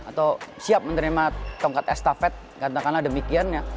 atau siap menerima tongkat estafet katakanlah demikian ya